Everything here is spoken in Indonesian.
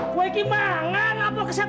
kue ini mangan apa kesetanan